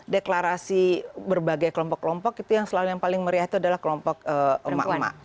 deklarasi berbagai kelompok kelompok itu yang selalu yang paling meriah itu adalah kelompok emak emak